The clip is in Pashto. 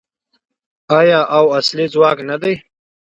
آیا او اصلي ځواک نه دی؟